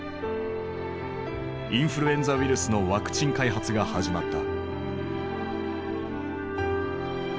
インフルエンザウイルスのワクチン開発が始まった。